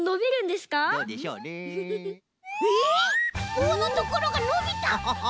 ぼうのところがのびた！ハハハ。